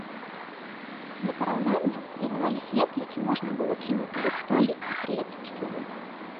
Для параўнання, мне давалі хлеб, які можна было кінуць да столі і прыляпіць туды.